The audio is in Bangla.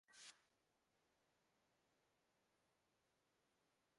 বুঝলে যে কাজ হয়েছে।